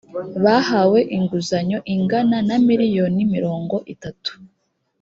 bahawe inguzanyo ingana na miliyoni mirongo itatu